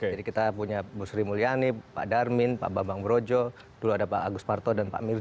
jadi kita punya bu sri mulyani pak darmin pak bambang brojo dulu ada pak agus parto dan pak mirza